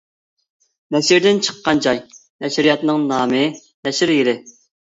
نەشردىن چىققان جاي: نەشرىياتنىڭ نامى، نەشر يىلى.